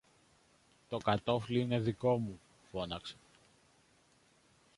Το κατώφλι είναι δικό μου, φώναξε.